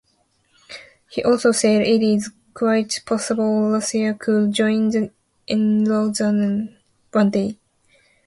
He also said it is quite possible Russia could join the eurozone one day.